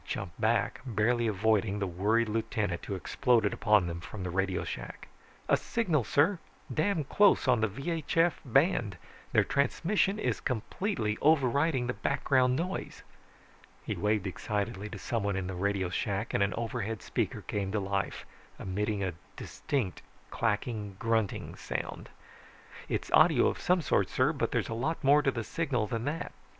He jumped back, barely avoiding the worried lieutenant who exploded upon them from the radio shack. "A signal, sir! Damn close, on the VHF band, their transmission is completely overriding the background noise." He waved excitedly to someone in the radio shack and an overhead speaker came to life emitting a distinct clacking grunting sound. "It's audio of some sort, sir, but there's lots more to the signal than that."